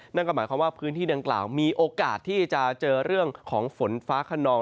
นั่นก็หมายความว่าพื้นที่ดังกล่าวมีโอกาสที่จะเจอเรื่องของฝนฟ้าขนอง